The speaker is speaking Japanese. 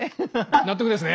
納得ですね。